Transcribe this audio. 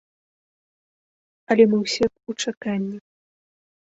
Але мы ўсе ў чаканні.